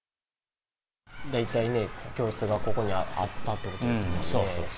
大体ね、教室がここにあったということですよね。